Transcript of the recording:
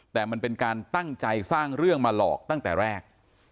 แต่มันเป็นการตั้งใจสร้างเรื่องมาหลอกตั้งแต่แรก